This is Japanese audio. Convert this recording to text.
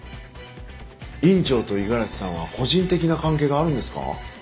院長と五十嵐さんは個人的な関係があるんですか？